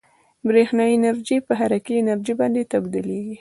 برېښنايي انرژي په حرکي انرژي باندې تبدیلیږي.